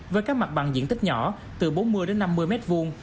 với các mặt bằng diện tức nhỏ từ bốn mươi đến năm mươi mét vuông